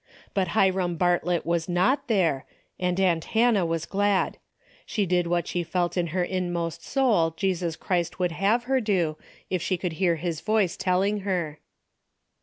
But Hiram Bartlett was not there, and aunt Hannah was glad. She did what she felt in her inmost soul Jesus Christ would have her do, if she could hear his voice telling her.